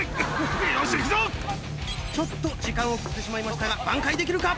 ちょっと時間を食ってしまいましたが挽回できるか？